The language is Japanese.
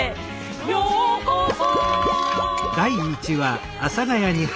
「ようこそ」